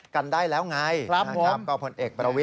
กันได้แล้วไง